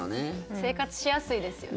生活しやすいですよね。